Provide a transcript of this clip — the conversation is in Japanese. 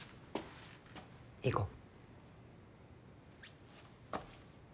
行こう。